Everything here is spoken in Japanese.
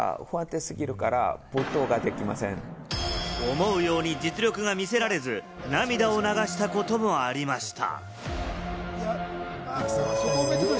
思うように実力が見せられず、涙を流したこともありました。